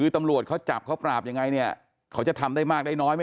ถ้ามันคนจะเสพใช่ไหม